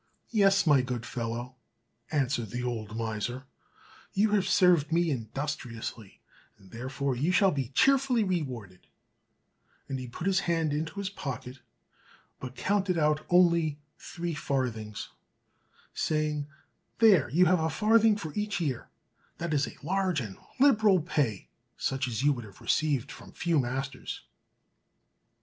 "Yes, my good fellow," answered the old miser; "you have served me industriously, and, therefore, you shall be cheerfully rewarded;" And he put his hand into his pocket, but counted out only three farthings, saying, "There, you have a farthing for each year; that is large and liberal pay, such as you would have received from few masters."